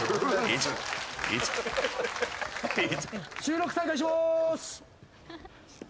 収録再開します。